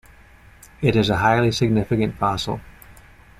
It is a highly significant fossil.